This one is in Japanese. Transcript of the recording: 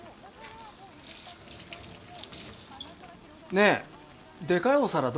ねえでかいお皿どこ？